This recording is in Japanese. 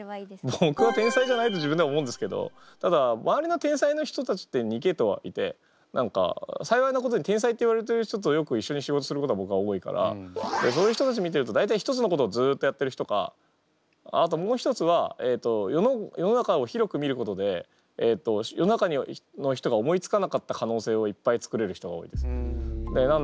ぼくは天才じゃないと自分では思うんですけどただ周りの天才の人たちって２けいとういて何か幸いなことに天才といわれてる人とよく一緒に仕事することがぼくは多いからそういう人たち見てると大体ひとつのことをずっとやってる人かあともう一つは世の中を広く見ることで世の中の人が思いつかなかったかのうせいをいっぱい作れる人が多いです。